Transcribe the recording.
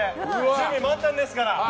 準備万端ですから。